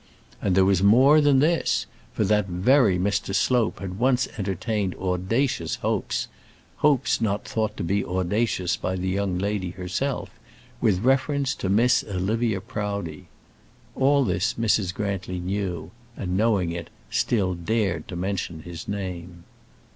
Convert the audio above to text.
And there was more than this: for that very Mr. Slope had once entertained audacious hopes hopes not thought to be audacious by the young lady herself with reference to Miss Olivia Proudie. All this Mrs. Grantly knew, and, knowing it, still dared to mention his name.